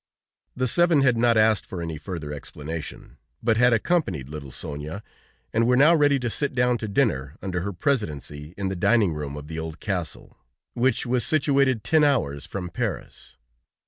The seven had not asked for any further explanation, but had accompanied little Sonia, and were now ready to sit down to dinner under her presidency in the dining room of the old castle, which was situated ten hours from Paris.